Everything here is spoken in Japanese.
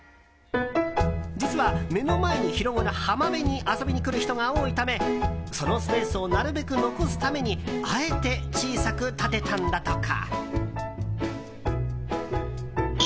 実は、目の前に広がる浜辺に遊びに来る人が多いためそのスペースをなるべく残すためにあえて小さく建てたんだとか。